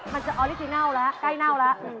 มันจะออริจินัลแล้วใกล้เน่าแล้ว